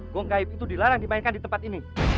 gong gaib itu dilarang dimainkan di tempat ini